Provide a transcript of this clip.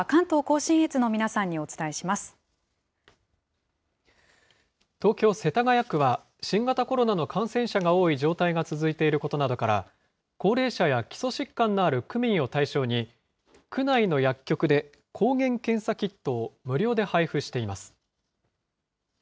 東京・世田谷区は、新型コロナの感染者が多い状態が続いていることなどから、高齢者や基礎疾患のある区民を対象に、区内の薬局で抗原検査キットを無料で配布しています。